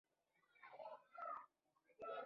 دا شمېر په پنځوس سلنې ډېروالي سره زیات شو